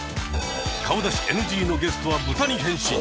顔出しＮＧのゲストはブタに変身。